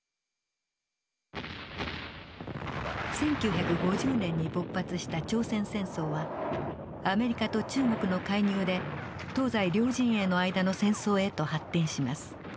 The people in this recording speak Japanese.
１９５０年に勃発した朝鮮戦争はアメリカと中国の介入で東西両陣営の間の戦争へと発展します。